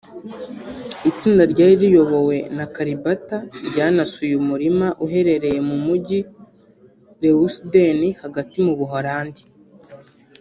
Itsinda ryari riyobowe na Kalibata ryanasuye umurima uherereye mu mujyi Leusden hagati mu Buholandi